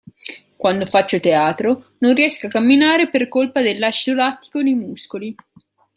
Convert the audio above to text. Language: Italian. Quando faccio teatro non riesco a camminare per colpa dell'acido lattico nei muscoli.